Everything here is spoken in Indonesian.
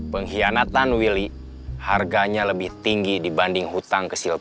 pengkhianatan willy harganya lebih tinggi dibanding hutang ke silvia